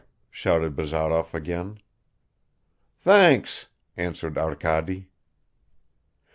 shouted Bazarov again. "Thanks," answered Arkady.